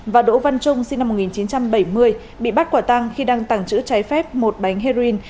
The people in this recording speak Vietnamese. một nghìn chín trăm tám mươi bảy và đỗ văn trung sinh năm một nghìn chín trăm bảy mươi bị bắt quả tăng khi đang tàng trữ trái phép một bánh heroin